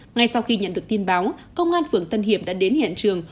ngay sau khi nhận được tin báo công an phường tân hiệp đã đến hiện trường